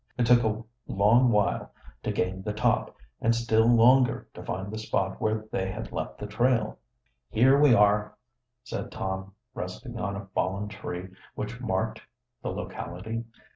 It took a long while to gain the top, and still longer to find the spot where they had left the trail. "Here we are," said Tom, resting on a fallen tree which marked the locality.